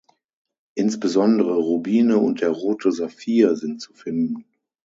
Insbesondere Rubine und der Rote Saphir sind zu finden.